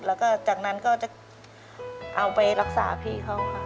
แล้วก็จากนั้นก็จะเอาไปรักษาพี่เขาค่ะ